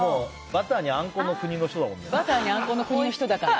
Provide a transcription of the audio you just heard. バターにあんこの国の人だから。